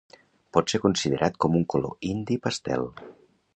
Pot ser considerat com un color indi pastel.